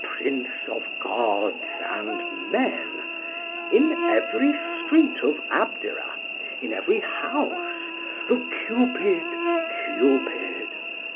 prince of gods and men_!"—in every street of Abdera, in every house, "O Cupid! Cupid!"